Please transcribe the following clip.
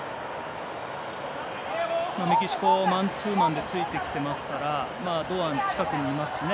メキシコはマンツーマンでついてきてますから堂安、近くにいますしね。